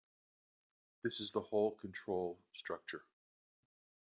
This is the whole control structure!